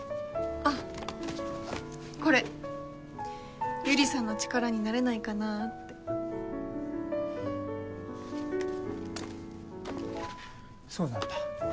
あっこれ百合さんの力になれないかなーってそうなんだ